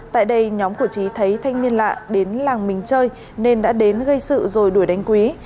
tại đây nhóm của trí thấy thanh niên lạ đến làng mình chơi nên đã đến gây sự rồi đuổi đánh quý